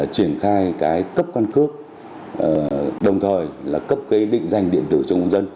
triển khai cấp căn cước đồng thời cấp định danh điện tử cho công dân